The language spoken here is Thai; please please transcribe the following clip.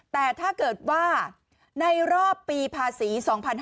แต่ถ้าเกิดว่าในรอบปีภาษี๒๕๕๙